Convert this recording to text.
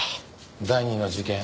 第二の事件